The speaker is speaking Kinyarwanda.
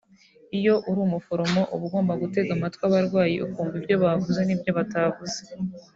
Iyo uri umuforomo uba ugomba kuba uzi gutega amatwi abarwayi ukumva ibyo bavuze n’ibyo batavuze